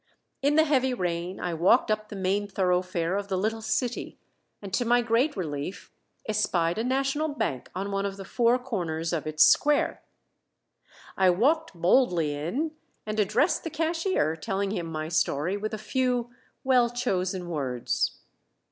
In the heavy rain I walked up the main thoroughfare of the little city, and to my great relief espied a national bank on one of the four corners of its square. I walked boldly in and addressed the cashier, telling him my story with a few "well chosen words."